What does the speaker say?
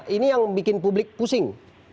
ini yang bikin publik pusing